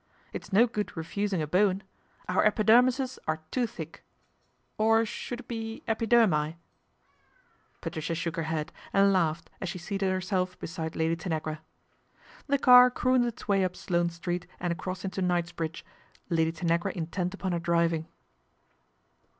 " It's no ood refusing a Bowen. Our epidermises are too hick, or should it be epidermi ?" Patricia shook her head and laughed as she sated herself beside Lady Tanagra. The car crooned its way up Sloane Street and cross into Knightsbridge, Lady Tanagra intent pon her driving.